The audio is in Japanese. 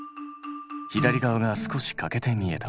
左側が少し欠けて見えた。